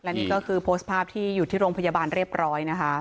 นี่ก็คือโพสต์ภาพที่อยู่ที่โรงพยาบาลเรียบร้อยนะคะ